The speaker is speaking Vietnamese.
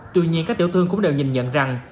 tuy nhiên các tiểu thương cũng đều nhìn nhận rằng